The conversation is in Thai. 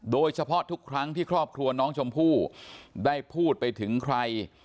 โดยเฉพาะทุกครั้งที่ครอบครัวน้องชมพู่ได้พูดไปถึงใคร